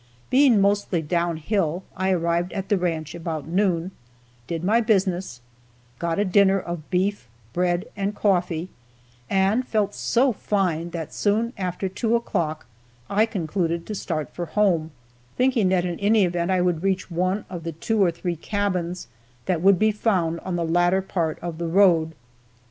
Being mostly down hill, I arrived at the ranch before noon, did my business, got a dinner of beef, bread and coffee, and felt so fine that soon after two o'clock I concluded to start for home, thinking that in any event I would reach one of the two or three cabins that would be found on the latter part of the road.